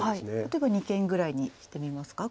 例えば二間ぐらいにしてみますか。